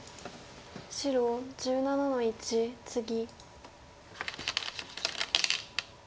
白１７の一ツギ。